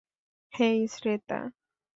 হেই, Shweta.